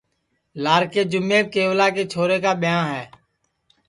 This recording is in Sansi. لاکے جُمیپ کیولا کے چھورے کا ٻہاں ہے